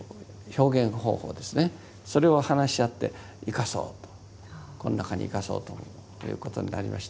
それを話し合って生かそうとこの中に生かそうということになりました。